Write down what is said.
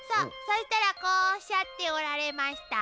そうしたらこうおっしゃっておられました。